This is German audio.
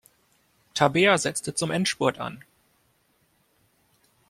Tabea setzte zum Endspurt an.